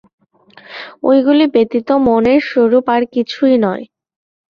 ঐগুলি ব্যতীত মনের স্বরূপ আর কিছুই নয়।